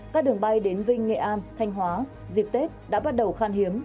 các đường bay đến vinh nghệ an thanh hóa dịp tết đã bắt đầu khan hiếm